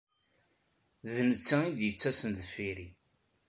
D netta ay d-yettasen deffir-i.